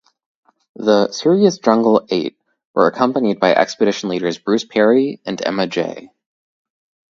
The "Serious Jungle" eight were accompanied by expedition leaders Bruce Parry and Emma Jay.